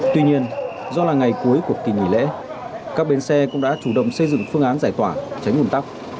tuy nhiên do là ngày cuối của kỳ nghỉ lễ các bến xe cũng đã chủ động xây dựng phương án giải tỏa tránh ủn tắc